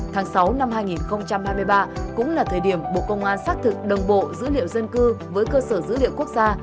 tháng sáu năm hai nghìn hai mươi ba cũng là thời điểm bộ công an xác thực đồng bộ dữ liệu dân cư với cơ sở dữ liệu quốc gia